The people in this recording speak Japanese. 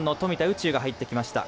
宇宙が入ってきました。